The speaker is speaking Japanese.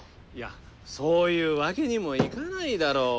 いやそういうわけにもいかないだろ。